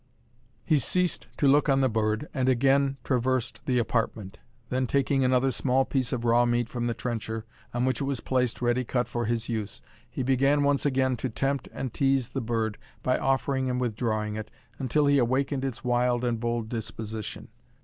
He ceased to look on the bird, and again traversed the apartment. Then taking another small piece of raw meat from the trencher, on which it was placed ready cut for his use, he began once again to tempt and tease the bird, by offering and withdrawing it, until he awakened its wild and bold disposition.